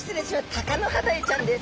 タカノハダイちゃんです。